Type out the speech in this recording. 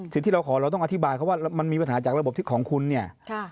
สิ่งที่เราขอเราต้องอธิบายเขาว่ามันมีปัญหาจากระบบที่ของคุณเนี่ย